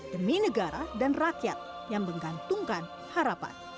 demi negara dan rakyat yang menggantungkan harapan